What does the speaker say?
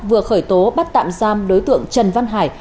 vừa khởi tố bắt tạm giam đối tượng trần văn hải